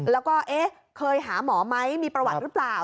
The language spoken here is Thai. แล้วก็เคยหาหมอไหมมีประวัติหรือเปล่า